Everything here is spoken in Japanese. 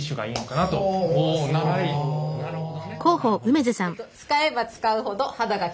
なるほど。